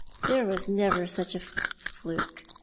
There was never such a fluke.